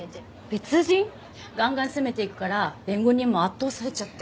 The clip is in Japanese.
ガンガン攻めていくから弁護人も圧倒されちゃって。